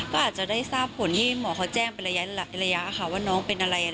ก็อาจจะได้ทราบผลที่หมอเขาแจ้งเป็นระยะค่ะว่าน้องเป็นอะไร